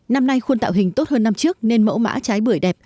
năm nay khuôn tạo hình tốt hơn năm trước nên mẫu mã trái bưởi đẹp